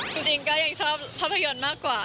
จริงก็ยังชอบภาพยนตร์มากกว่า